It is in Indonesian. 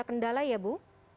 tidak ada ya bu